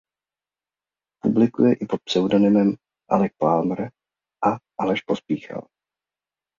Publikuje i pod pseudonymy Alec Palmer a Aleš Pospíchal.